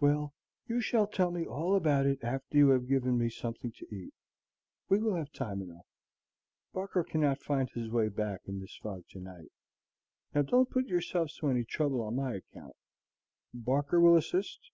"Well, you shall tell me all about it after you have given me something to eat. We will have time enough; Barker cannot find his way back in this fog to night. Now don't put yourselves to any trouble on my account. Barker will assist?"